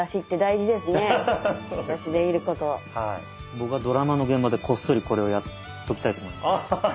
僕はドラマの現場でこっそりこれをやっときたいと思います。